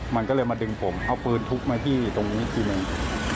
มันก็เลยมาดึงผมเอาปืนทุบมาที่ตรงนี้ทีหนึ่ง